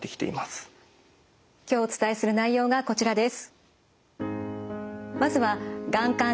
今日お伝えする内容がこちらです。